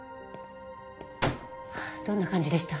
どんな感じでした？